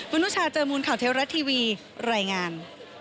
นุชาเจอมูลข่าวเทวรัฐทีวีรายงาน